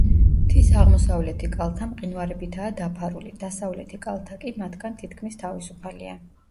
მთის აღმოსავლეთი კალთა მყინვარებითაა დაფარული, დასავლეთი კალთა კი მათგან თითქმის თავისუფალია.